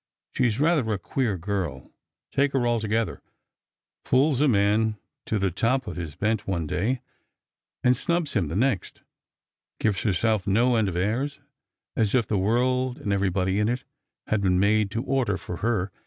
" She's rather a queer girl, take her altogether ; fools a man to the top of his bent one day, and snnbs him the next ; gives herself no end of airs, as if the world and everybody in it hiid been made to order for her.